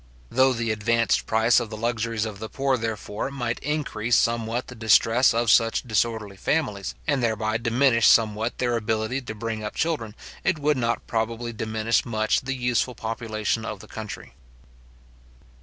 Through the advanced price of the luxuries of the poor, therefore, might increase somewhat the distress of such disorderly families, and thereby diminish somewhat their ability to bring up children, it would not probably diminish much the useful population of the country.